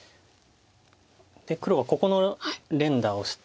で黒はここの連打をして。